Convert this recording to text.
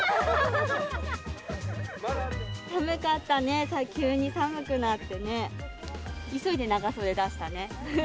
寒かったね、急に寒くなってね、急いで長袖出したね。